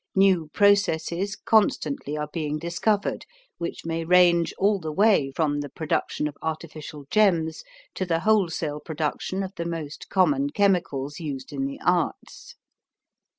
New processes constantly are being discovered which may range all the way from the production of artificial gems to the wholesale production of the most common chemicals used in the arts.